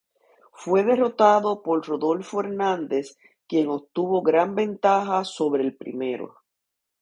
Fue derrotado por Rodolfo Hernández, quien obtuvo gran ventaja sobre el primero.